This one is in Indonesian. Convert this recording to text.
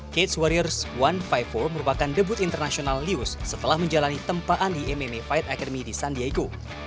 cage warriors satu ratus lima puluh empat merupakan debut internasional lius setelah menjalani tempaan di mma fight academy di san diego